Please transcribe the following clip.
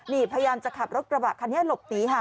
นี่พยายามจะขับรถกระบะคันนี้หลบหนีค่ะ